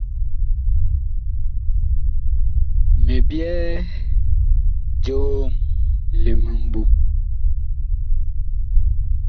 Mi byɛɛ joom li mimbu.